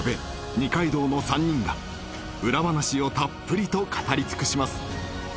二階堂の３人が裏話をたっぷりと語り尽くします